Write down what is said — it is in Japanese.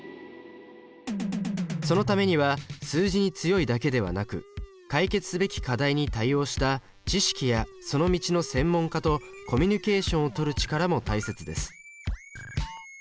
そのためには数字に強いだけではなく解決すべき課題に対応した知識やその道の専門家とコミュニケーションを取る力も大切です。